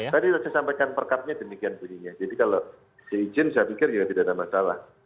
ya tadi saya sampaikan perkapnya demikian bunyinya jadi kalau diizin saya pikir ya tidak ada masalah